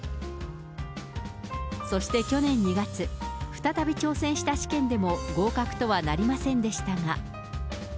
そして去年２月、再び挑戦した試験でも合格とはなりませんでしたが。